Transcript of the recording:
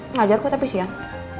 ngajar kok tapi siang